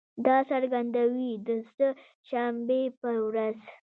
دا څرګندونې د سه شنبې په ورځ